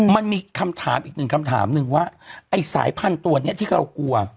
มันมีคำถามอีกหนึ่งคำถามหนึ่งว่าไอ้สายพันธุ์ตัวนี้ที่เรากลัว